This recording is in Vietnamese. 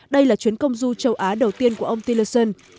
đây là chuyến công du châu á đầu tiên của ông tillson